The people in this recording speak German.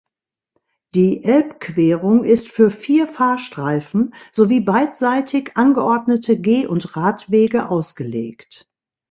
Die Elbquerung ist für vier Fahrstreifen sowie beidseitig angeordnete Geh- und Radwege ausgelegt.